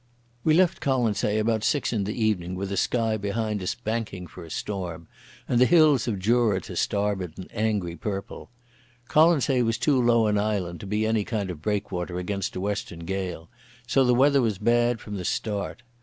We left Colonsay about six in the evening with the sky behind us banking for a storm, and the hills of Jura to starboard an angry purple. Colonsay was too low an island to be any kind of breakwater against a western gale, so the weather was bad from the start.